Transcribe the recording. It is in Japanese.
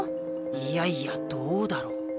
いやいやどうだろ。